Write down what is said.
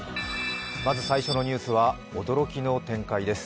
まず最初のニュースは驚きの展開です。